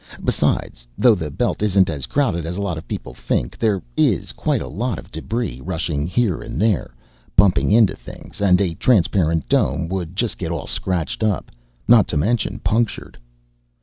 Besides, though the Belt isn't as crowded as a lot of people think, there is quite a lot of debris rushing here and there, bumping into things, and a transparent dome would just get all scratched up, not to mention punctured.